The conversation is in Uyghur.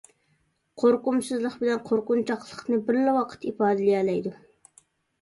قورقۇمسىزلىق بىلەن قورقۇنچاقلىقنى بىرلا ۋاقىتتا ئىپادىلىيەلەيدۇ.